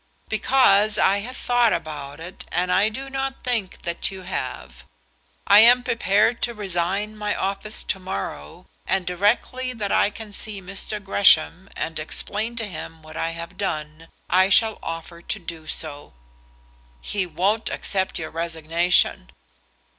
"Because I had thought about it, and I do not think that you have. I am prepared to resign my office to morrow; and directly that I can see Mr. Gresham and explain to him what I have done, I shall offer to do so." "He won't accept your resignation."